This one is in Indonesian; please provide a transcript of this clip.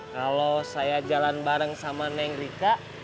kalau saya jalan bareng sama neng rika